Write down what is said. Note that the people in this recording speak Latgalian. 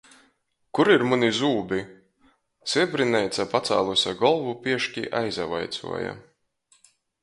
- Kur ir muni zūbi? - siebrineica, pacāluse golvu, pieški aizavaicuoja.